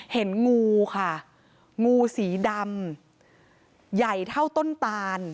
เห็นงูค่ะงูสีดำใหญ่เท่าต้นตาน